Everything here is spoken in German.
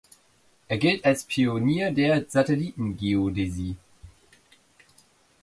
Er gilt als Pionier der Satellitengeodäsie.